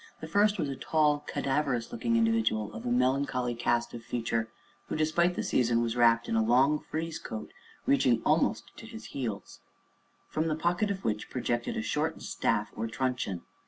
The first was a tall, cadaverous looking individual of a melancholy cast of feature, who, despite the season, was wrapped in a long frieze coat reaching almost to his heels, from the pocket of which projected a short staff, or truncheon.